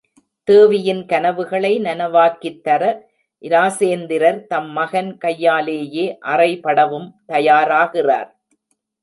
தேவியின் கனவுகளை நனவாக்கித் தர, இராசேந்திரர் தம் மகன் கையாலேயே அறைபடவும் தயாராகிறார்.